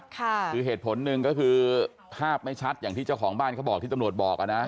คือเหตุผลหนึ่งก็คือภาพไม่ชัดอย่างที่เจ้าของบ้านเขาบอกที่ตำรวจบอกอ่ะนะ